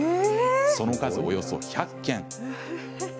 その数、およそ１００件。